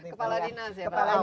kepala dinas ya pak